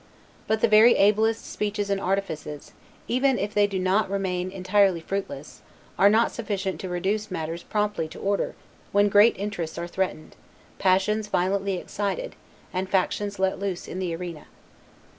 But the very ablest speeches and artifices, even if they do not remain entirely fruitless, are not sufficient to reduce matters promptly to order when great interests are threatened, passions violently excited, and factions let loose in the arena.